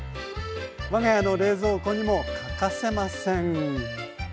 我が家の冷蔵庫にも欠かせません。